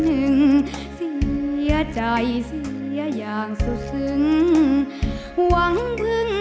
รุ่นดนตร์บุรีนามีดังใบปุ่ม